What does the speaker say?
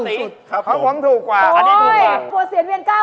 ที่๓สีคำผมถูกกว่าอันนี้ถูกกว่าโอ๊ย